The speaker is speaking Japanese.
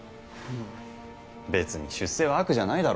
別に出世は悪じゃないだろ？